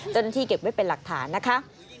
เจ้าหน้าที่เก็บไว้เป็นหลักฐานนะคะ